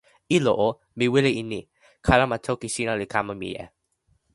ilo o, mi wile e ni: kalama toki sina li kama mije.